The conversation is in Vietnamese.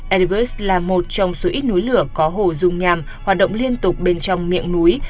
erebus là một trong số ít núi lửa có hồ dung nhàm hoạt động liên tục bên trong miệng núi